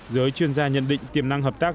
giới chuyên gia nhận định tiềm năng hợp tác